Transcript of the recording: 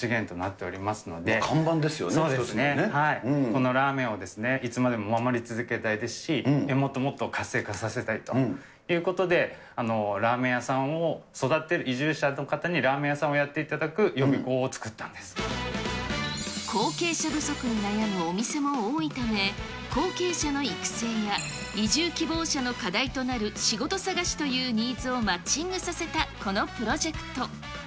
このラーメンをいつまでも守り続けたいですし、もっともっと活性化させたいということで、ラーメン屋さんを育てる、移住者の方にラーメン屋さんをやっていただく予備校を作ったんで後継者不足に悩むお店も多いため、後継者の育成や、移住希望者の課題となる仕事探しというニーズをマッチングさせたこのプロジェクト。